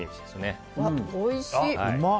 おいしい。